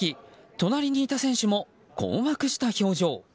隣にいた選手も困惑した表情。